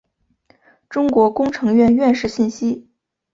中国工程院院士信息